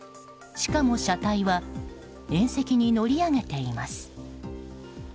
しかも、車体は縁石に乗り上げています。